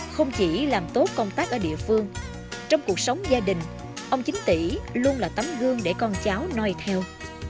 không chỉ làm tốt công tác ở địa phương trong cuộc sống gia đình ông chính tỷ luôn là tấm gương để con cháu noi theo